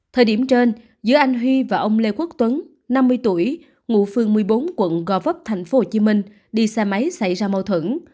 thời điểm trên giữa anh huy và ông lê quốc tuấn năm mươi tuổi ngụ phường một mươi bốn quận gò vấp tp hcm đi xe máy xảy ra mâu thuẫn